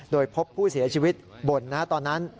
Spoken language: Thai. โดยพบผู้เสียชีวิตบ่นตอนนั้น